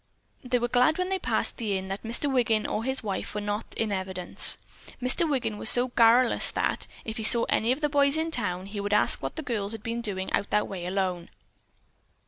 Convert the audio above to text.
They were glad when they passed the Inn that Mr. Wiggin or his wife were not in evidence. Mr. Wiggin was so garrulous that, if he saw any of the boys in town, he would ask what the girls had been doing out that way alone.